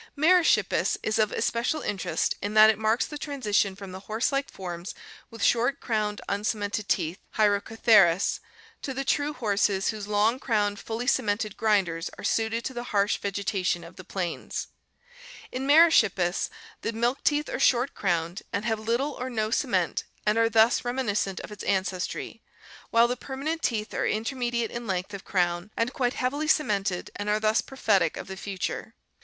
Merychippus (Figs. 220, 221) is of especial interest in that it marks the transition from the horse like forms with short crowned, uncemented teeth (hyracotheres) to the true horses whose long crowned, fully cemented grinders are suited to the harsh vegeta tion of the plains. In Merychippus the milk teeth are short crowned and have little or no cement and are thus remi niscent of its ancestry, while the perma nent teeth are intermediate in length of crown and quite heavily cemented and Fio. 220.— Upper premolar are thus prophetic of the future.